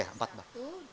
satu dua tiga empat